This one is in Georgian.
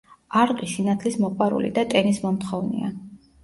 არყი სინათლის მოყვარული და ტენის მომთხოვნია.